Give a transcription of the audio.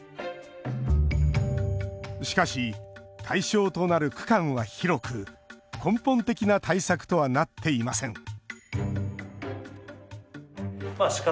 しかし、対象となる区間は広く根本的な対策とはなっていません